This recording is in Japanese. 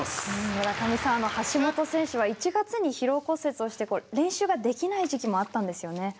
村上さん、橋本選手は、１月に疲労骨折をして、練習ができない時期もあったんですよね。